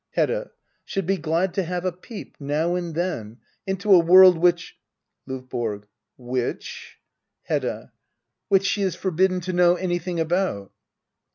Hedda. should be glad to have a peep, now and then, into a world which L^VBORO. Which } Hedda. ^which she is forbidden to know anything about?